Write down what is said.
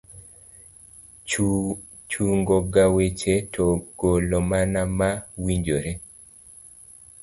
chungo ga weche to golo mana ma owinjore